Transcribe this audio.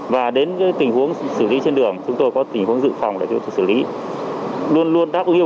và đến tình huống xử lý trên đường chúng tôi có tình huống dự phòng để chúng tôi xử lý